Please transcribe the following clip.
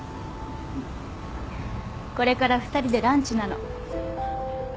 これから２人でランチなの。